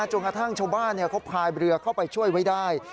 จนกระทั่งชาวบ้านเขาพายเรือเข้าไปช่วยไว้ได้